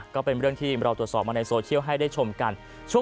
ก็เป็นเรื่องที่เราตรวจสอบมาในโซเชียลให้ได้ชมกัน